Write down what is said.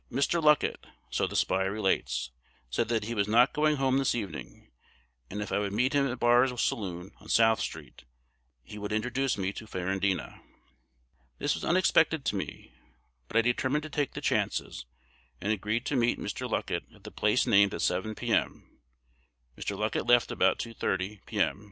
"Mr. Luckett," so the spy relates, "said that he was not going home this evening; and if I would meet him at Barr's saloon, on South Street, he would introduce me to Ferrandina. "This was unexpected to me; but I determined to take the chances, and agreed to meet Mr. Luckett at the place named at 7, p.m. Mr. Luckett left about 2.30, p.m.